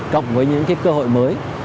cộng với những cơ hội mới